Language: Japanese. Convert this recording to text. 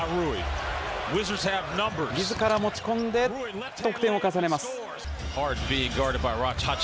みずから持ち込んで得点を重ねます。